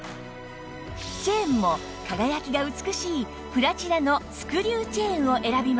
チェーンも輝きが美しいプラチナのスクリューチェーンを選びました